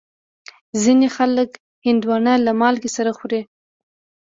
ځینې خلک هندوانه له مالګې سره خوري.